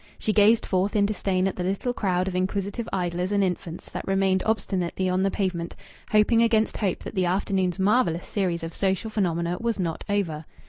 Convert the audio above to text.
She gazed forth in disdain at the little crowd of inquisitive idlers and infants that remained obstinately on the pavement hoping against hope that the afternoon's marvellous series of social phenomena was not over.